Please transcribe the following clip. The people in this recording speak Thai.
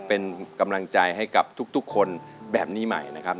เป็นกำลังใจให้กับทุกคนแบบนี้ใหม่นะครับ